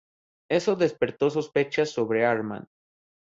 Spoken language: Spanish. Eso despertó sospechas sobre Armand.